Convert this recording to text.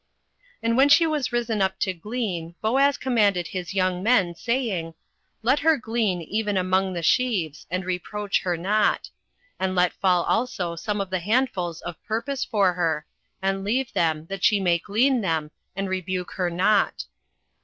08:002:015 And when she was risen up to glean, Boaz commanded his young men, saying, Let her glean even among the sheaves, and reproach her not: 08:002:016 And let fall also some of the handfuls of purpose for her, and leave them, that she may glean them, and rebuke her not.